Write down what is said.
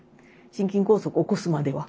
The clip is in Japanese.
心筋梗塞起こすまでは。